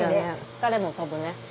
疲れも飛ぶね。